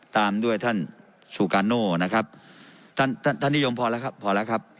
ตามด้วยท่านซูกาโน่นะครับท่านท่านนิยมพอแล้วครับพอแล้วครับ